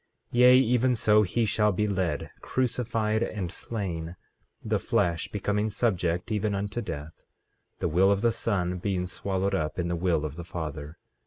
15:7 Yea, even so he shall be led, crucified, and slain, the flesh becoming subject even unto death, the will of the Son being swallowed up in the will of the Father.